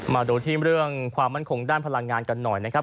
มาดูที่เรื่องความมั่นคงด้านพลังงานกันหน่อยนะครับ